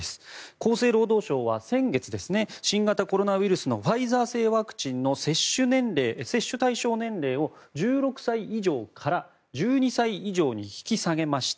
厚生労働省は先月新型コロナウイルスのファイザー製ワクチンの接種対象年齢を１６歳以上から１２歳以上に引き下げました。